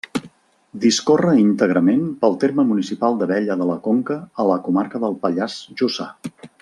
Discorre íntegrament pel terme municipal d'Abella de la Conca, a la comarca del Pallars Jussà.